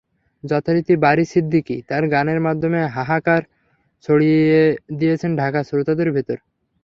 যথারীতি বারী সিদ্দিকী তাঁর গানের মাধ্যমে হাহাকার ছড়িয়ে দিয়েছেন ঢাকার শ্রোতাদের ভেতর।